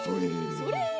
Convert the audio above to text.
それ！